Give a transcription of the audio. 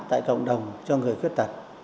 tại cộng đồng cho người khuyết tật